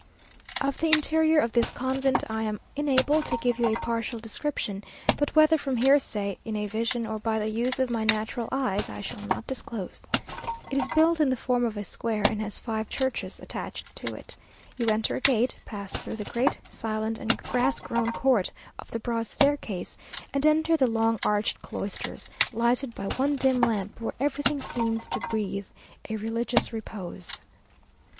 Of the interior of this convent I am enabled to give you a partial description, but whether from hearsay, in a vision, or by the use of my natural eyes, I shall not disclose. It is built in the form of a square, and has five churches attached to it. You enter a gate, pass through the great, silent, and grass grown court up the broad staircase, and enter the long, arched cloisters, lighted by one dim lamp, where everything seems to breathe a religious repose....